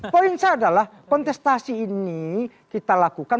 poinnya adalah kontestasi ini kita lakukan